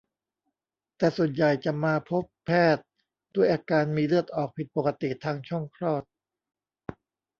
แต่ส่วนใหญ่จะมาพบแพทย์ด้วยอาการมีเลือดออกผิดปกติทางช่องคลอด